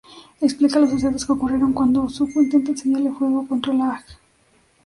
Explica los sucesos que ocurrieron cuando Zuko intenta enseñarle Fuego Control a Aang.